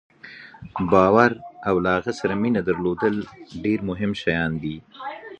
باور او له هغه سره مینه درلودل ډېر مهم شیان دي.